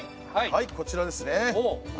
はいこちらですね。